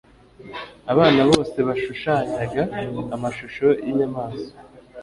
Abana bose bashushanyaga amashusho yinyamaswa.